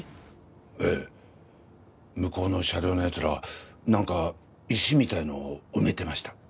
ええ向こうの車両のやつら何か石みたいのを埋めてました